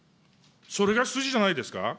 それが筋じゃないですか。